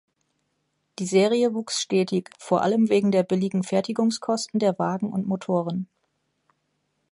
Die Serie wuchs stetig, vor allem wegen der billigen Fertigungskosten der Wagen und Motoren.